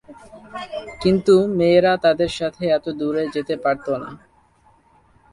কিন্তু মেয়েরা তাদের সাথে এত দূরে যেতে পারত না।